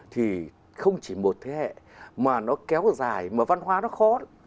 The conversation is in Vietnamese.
thì không chỉ một thế hệ mà nó kéo dài mà văn hóa nó khó